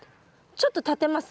ちょっと立てます？